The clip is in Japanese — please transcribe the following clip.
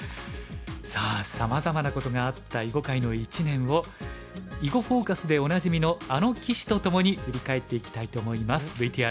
さあさまざまなことがあった囲碁界の一年を「囲碁フォーカス」でおなじみのあの棋士とともに振り返っていきたいと思います。